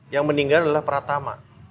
yang meninggal adalah pratama